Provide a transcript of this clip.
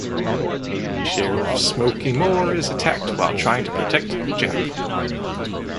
Sheriff Smoky Moore is attacked while trying to protect Jack.